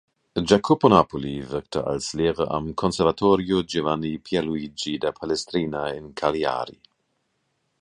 Jacopo Napoli wirkte als Lehrer am "Conservatorio Giovanni Pierluigi da Palestrina" in Cagliari.